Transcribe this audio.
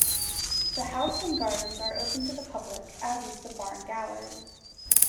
The house and gardens are open to the public, as is the Barn Gallery.